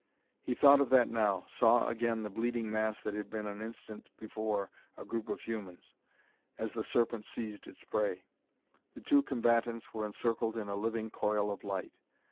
He thought of that now, saw again the bleeding mass that had been an instant before a group of humans, as the serpent seized its prey. The two combatants were encircled in a living coil of light.